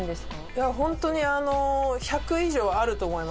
いや本当に１００以上あると思います